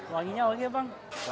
wanginya okel bang